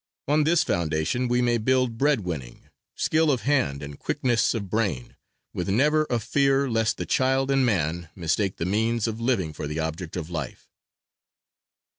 On this foundation we may build bread winning, skill of hand and quickness of brain, with never a fear lest the child and man mistake the means of living for the object of life.